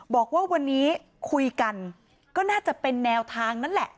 บอกว่าวันนี้คุยกันก็น่าจะเป็นแนวทางนั่นแหละ